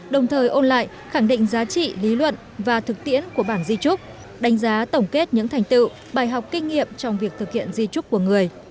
đồng thời ôn lại khẳng định giá trị lý luận và thực tiễn của bản di trúc đánh giá tổng kết những thành tựu bài học kinh nghiệm trong việc thực hiện di trúc của người